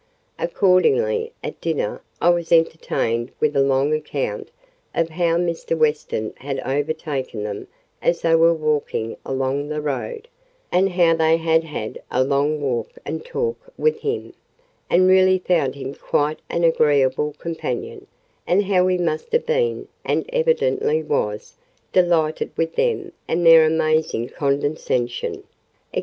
Accordingly, at dinner, I was entertained with a long account of how Mr. Weston had overtaken them as they were walking along the road; and how they had had a long walk and talk with him, and really found him quite an agreeable companion; and how he must have been, and evidently was, delighted with them and their amazing condescension, &c.